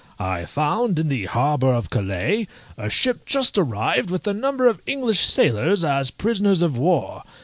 I found, in the harbour of Calais, a ship just arrived with a number of English sailors as prisoners of war.